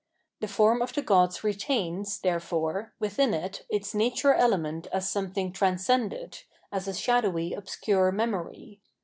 The form of the gods retains, therefore, within it its nature element as something transcended, as a shadowy, obscure memory.